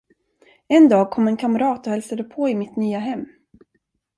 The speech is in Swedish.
En dag kom en kamrat och hälsade på i mitt nya hem.